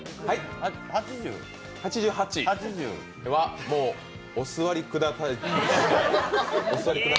８８は、もうお座りください。